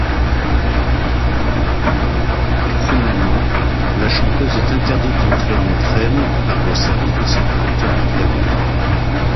Finalement, la chanteuse est interdite d'entrée en Ukraine par le Service de sécurité d'Ukraine.